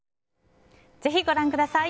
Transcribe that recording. ぜひご覧ください。